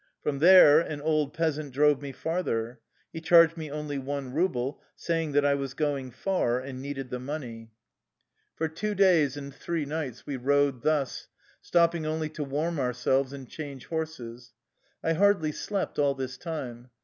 From there an old peasant drove me far ther. He charged me only one ruble, saying that I was going far and needed the money. 11 Forest. 119 THE LIFE STOEY OF A KUSSIAN EXILE For two days and three nights we rode thus, stopping only to warm ourselves and change horses. I hardly slept all this time.